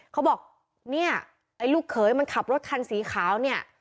เขาบอกเนี่ยไอ้ลูกเขยมันขับรถคันสีขาวเนี่ย